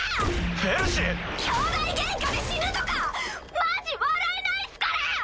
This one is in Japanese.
フェルシー⁉兄弟ゲンカで死ぬとかマジ笑えないっすから！